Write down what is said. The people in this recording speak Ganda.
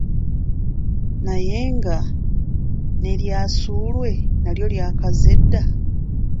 Naye nga n'erya ssuulwe nalyo lyakaze dda.